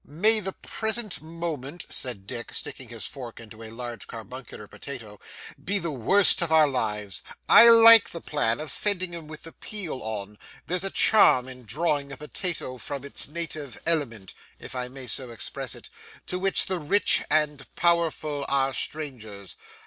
'May the present moment,' said Dick, sticking his fork into a large carbuncular potato, 'be the worst of our lives! I like the plan of sending 'em with the peel on; there's a charm in drawing a potato from its native element (if I may so express it) to which the rich and powerful are strangers.